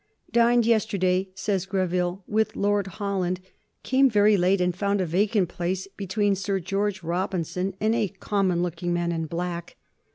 "Dined yesterday," says Greville, "with Lord Holland; came very late and found a vacant place between Sir George Robinson and a common looking man in black.